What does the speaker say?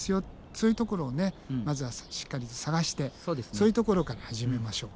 そういうところをまずはしっかりと探してそういうところから始めましょう。